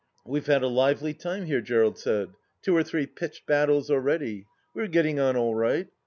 ..." We've had a lively time here," Gerald said. " Two or three pitched battles already. We are getting on all right.